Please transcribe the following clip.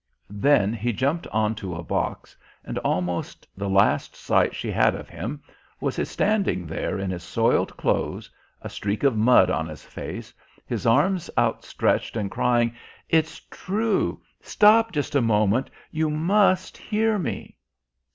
Then he jumped on to a box, and almost the last sight she had of him was his standing there in his soiled clothes, a streak of mud on his face, his arms outstretched and crying: "It's true! Stop just a moment you must hear me!"